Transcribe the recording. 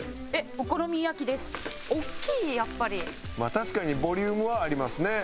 確かにボリュームはありますね。